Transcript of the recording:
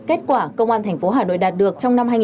kết quả công an tp hà nội đạt được